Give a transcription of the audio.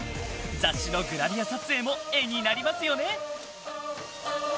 雑誌のグラビア撮影も絵になりますよね。